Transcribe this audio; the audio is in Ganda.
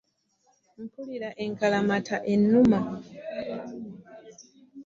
Mpulira enkalamata ennuma.